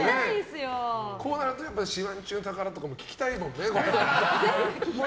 こうなると「島人ぬ宝」とかも聴きたいもんね。